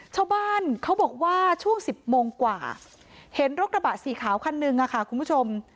ชาวบ้านเขาบอกว่าช่วง๑๐โมงกว่าเห็นรถกระบะสีขาวคันหนึ่งค่ะคุณผู้ชม